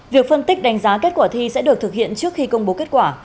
việc phân tích đánh giá kết quả thi sẽ được thực hiện trước khi công bố kết quả